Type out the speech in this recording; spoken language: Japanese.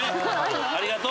ありがとう。